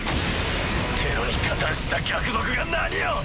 テロに加担した逆賊が何を！